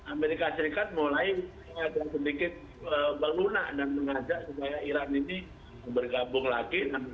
amerika serikat mulai agak sedikit melunak dan mengajak supaya iran ini bergabung lagi